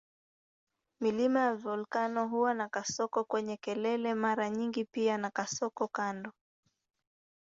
Milima ya volkeno huwa na kasoko kwenye kelele mara nyingi pia na kasoko kando.